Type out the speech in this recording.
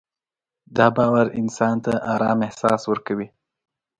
دا باور انسان ته ارام احساس ورکوي.